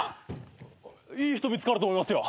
いい人見つかると思いますよ。